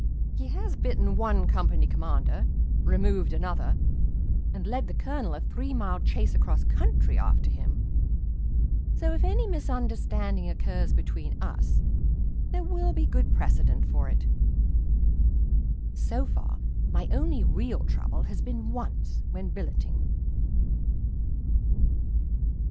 He has bitten one Company Commander, removed another, and led the Colonel a three mile chase across country after him, so if any misunderstanding occurs between us there will be good precedent for it. So far my only real trouble has been once when billeting.